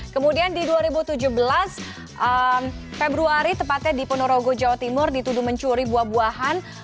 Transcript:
kemudian di dua ribu tujuh belas februari tepatnya di ponorogo jawa timur dituduh mencuri buah buahan